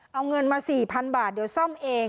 เอาเงินมา๔๐๐๐บาทเดี๋ยวซ่อมเอง